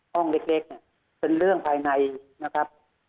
ห้องเล็กเนี่ยเป็นเรื่องภายในนะครับ